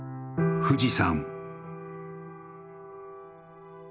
富士山。